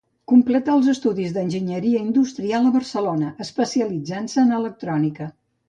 Completà els estudis d'enginyeria industrial a Barcelona, especialitzant-se en electrònica.